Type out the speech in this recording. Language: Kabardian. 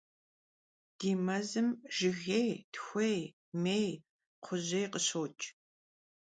Di mezım jjıgêy, txuêy, mêy, kxhujêy khışoç'.